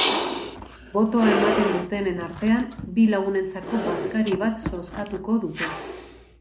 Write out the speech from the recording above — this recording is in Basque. Botoa ematen dutenen artean bi lagunentzako bazkari bat zozkatuko dute.